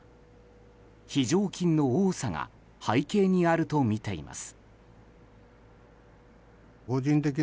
非常勤の多さが背景にあるとみています。